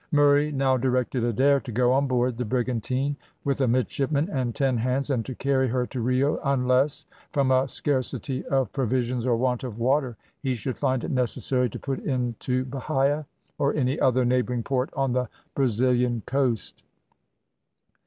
Murray now directed Adair to go on board the brigantine with a midshipman and ten hands, and to carry her to Rio, unless, from a scarcity of provisions or want of water, he should find it necessary to put in to Bahia, or any other neighbouring port on the Brazilian coast.